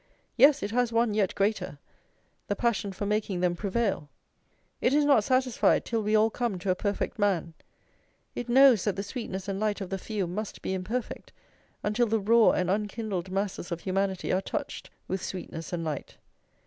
Yes, it has one yet greater! the passion for making them prevail. It is not satisfied till we all come to a perfect man; it knows that the sweetness and light of the few must be imperfect until the raw and unkindled masses of humanity are touched with sweetness and light.